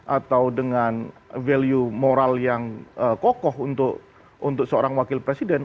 atau dengan value moral yang kokoh untuk seorang wakil presiden